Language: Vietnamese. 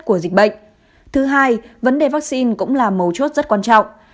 của dịch bệnh thứ hai vấn đề vaccine cũng là mấu chốt rất quan trọng